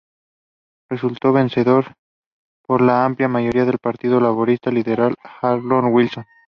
Resultó vencedor por una amplia mayoría el Partido Laborista liderado por Harold Wilson.